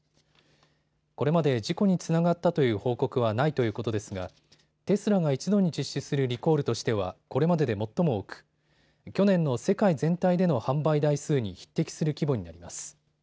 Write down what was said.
これまで事故につながったという報告はないということですがテスラが一度に実施するリコールとしてはこれまでで最も多く去年の世界全体での販売台数に匹敵する規模になります。